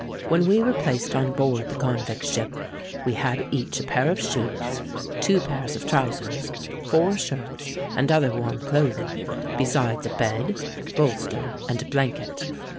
When we were placed on board the convict ship, we had each a pair of shoes, two pairs of trousers, four shirts, and other warm clothing, besides a bed, bolster, and blanket.